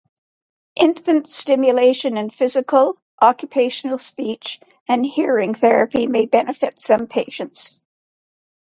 Infant stimulation and physical, occupational, speech and hearing therapy may benefit some patients.